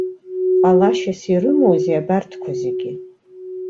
Ҟалашьас ирымоузеи абарҭқәа зегьы?